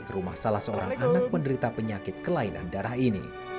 ke rumah salah seorang anak penderita penyakit kelainan darah ini